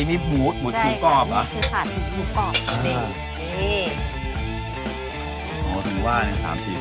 นี่แล้วใครบอกตอนมีขาให้กลับมาได้แล้ว